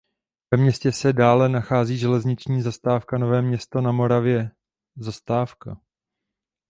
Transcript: Ve městě se dále nachází železniční zastávka "Nové Město na Moravě zastávka".